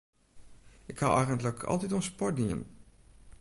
Ik ha eigentlik altyd oan sport dien.